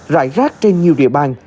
rải rác trên nhiều địa bàn